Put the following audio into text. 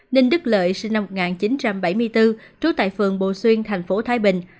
ninh đức lợi sinh năm một nghìn chín trăm bảy mươi bốn trú tại phường bồ xuyên thành phố thái bình